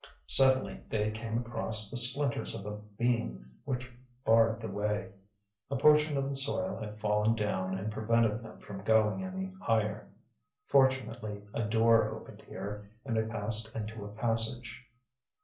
Suddenly they came across the splinters of a beam which barred the way. A portion of the soil had fallen down and prevented them from going any higher. Fortunately a door opened here and they passed into a passage.